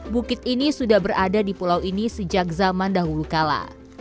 bukit ini sudah berada di pulau ini sejak zaman dahulu kala